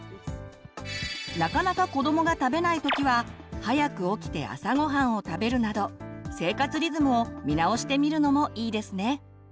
なかなか子どもが食べない時は早く起きて朝ごはんを食べるなど生活リズムを見直してみるのもいいですね。